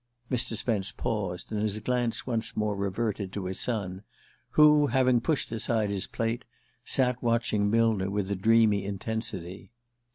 Mr. Spence paused, and his glance once more reverted to his son, who, having pushed aside his plate, sat watching Millner with a dreamy intensity.